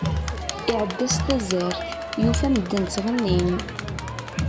Iεedda s tazzert, yufa medden ttɣennin.